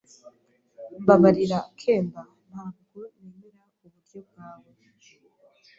Mbabarira, kemba. Ntabwo nemera uburyo bwawe.